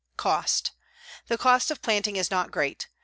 COST The cost of planting is not great.